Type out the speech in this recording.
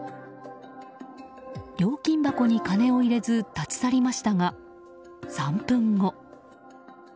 料金箱に金を入れず立ち去りましたが、３分後。